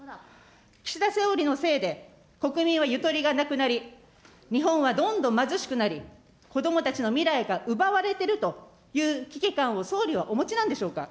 岸田総理のせいで、国民はゆとりがなくなり、日本はどんどん貧しくなり、子どもたちの未来が奪われているという危機感を総理はお持ちなんでしょうか。